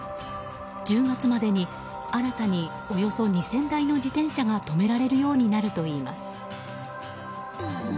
１０月までに、新たにおよそ２０００台の自転車が止められるようになるといいます。